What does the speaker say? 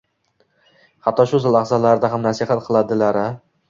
Hatto shu lahzalarda ham nasihat qiladilar-a!